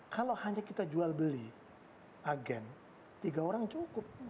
kalau hanya kita jual beli agen tiga orang cukup